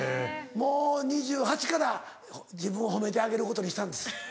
もう２８歳から自分を褒めてあげることにしたんです。